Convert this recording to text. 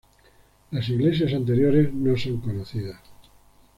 Las iglesias anteriores no son conocidas.